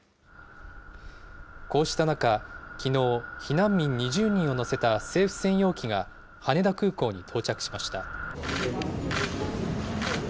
こうした中、きのう、避難民２０人を乗せた政府専用機が羽田空港に到着しました。